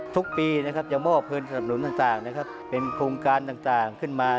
ทุกปีจะมอบเพลินสนับหนุนต่างเป็นโครงการต่างขึ้นมา